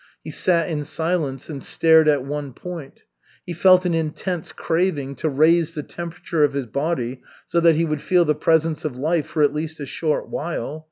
He sat in silence and stared at one point. He felt an intense craving to raise the temperature of his body so that he would feel the presence of life for at least a short while.